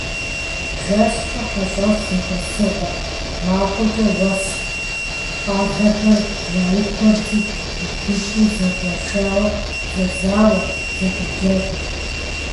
ЖэщкӀэ хьэщӀэщ зэхуэсыгъуэт, махуэкӀэ уэс къалэхэр яухуэрти, гупитӀу загуэшауэ зэзауэрт, зэдэджэгурт.